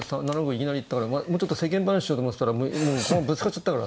いきなり行ったからもうちょっと世間話しようと思ってたらもうぶつかっちゃったからさ。